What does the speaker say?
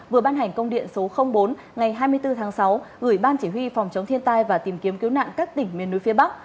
vừa ban hành công điện số bốn ngày hai mươi bốn tháng sáu gửi ban chỉ huy phòng chống thiên tai và tìm kiếm cứu nạn các tỉnh miền núi phía bắc